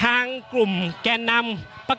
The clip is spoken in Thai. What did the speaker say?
อย่างที่บอกไปว่าเรายังยึดในเรื่องของข้อ